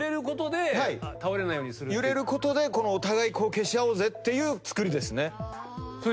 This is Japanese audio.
揺れることでお互い消し合おうぜって造りですね。